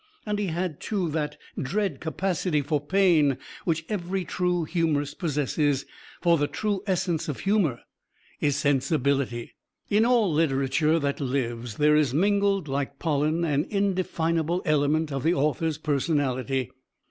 And he had, too, that dread capacity for pain which every true humorist possesses, for the true essence of humor is sensibility. In all literature that lives there is mingled like pollen an indefinable element of the author's personality.